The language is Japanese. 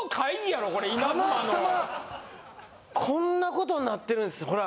たまたまこんなことになってるんですほら。